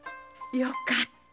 よかった。